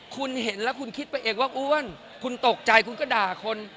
คุณเห็นแล้วคุณคิดไปเองว่าอ้วนคุณตกใจคุณก็ด่าคน